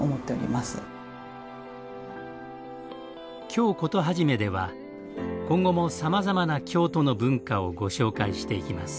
「京コトはじめ」では今後もさまざまな京都の文化をご紹介していきます。